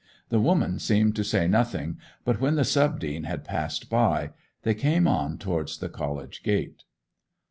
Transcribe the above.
The woman seemed to say nothing, but when the sub dean had passed by they came on towards the college gate.